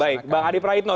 baik bang adi praitno